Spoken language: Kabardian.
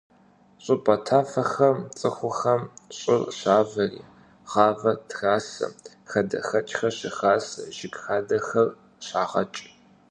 ЩӀыпӀэ тафэхэм цӀыхухэм щӀыр щавэри гъавэ трасэ, хадэхэкӀхэр щыхасэ, жыг хадэхэр щагъэкӀ.